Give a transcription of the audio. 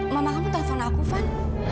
mama kamu telepon aku fad